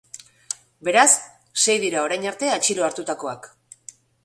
Beraz, sei dira orain arte atxilo hartutakoak.